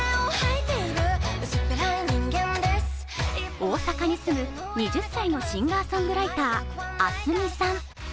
大阪に住む２０歳のシンガーソングライター、ａｓｍｉさん。